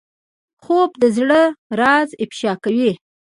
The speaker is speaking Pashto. خوب د زړه راز افشا کوي